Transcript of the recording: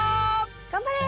頑張れ！